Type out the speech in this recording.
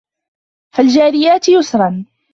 فَالجارِياتِ يُسرًا